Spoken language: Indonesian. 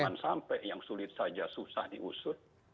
jangan sampai yang sulit saja susah diusut